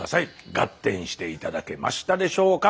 ガッテンして頂けましたでしょうか？